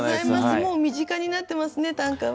もう身近になってますね短歌は。